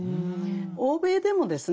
欧米でもですね